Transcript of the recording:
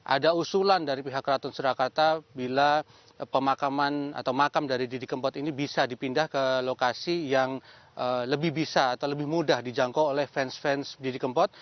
ada usulan dari pihak keraton surakarta bila pemakaman atau makam dari didi kempot ini bisa dipindah ke lokasi yang lebih bisa atau lebih mudah dijangkau oleh fans fans didi kempot